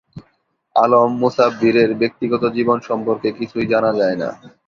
আলম মুসাববীরের ব্যক্তিগত জীবন সম্পর্কে কিছুই জানা যায় না।